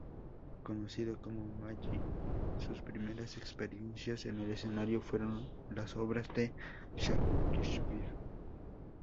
Conocido como "Magee", sus primeras experiencias en el escenario fueron las obras de Shakespeare.